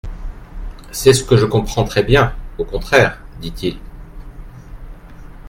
C'est ce que je comprends très bien, au contraire, dit-il.